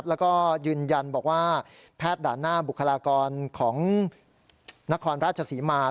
แล้วก็ยืนยันบอกว่าแพทย์ด่านหน้าบุคลากรของนครราชศรีมา